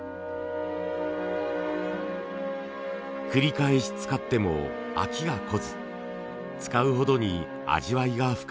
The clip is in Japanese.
繰り返し使っても飽きがこず使うほどに味わいが深まる。